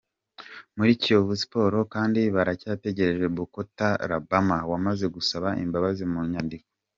Muri Kiyovu Sport kandi baracyategereje Bokota Labama wamaze gusaba imbabazi mu nyandiko.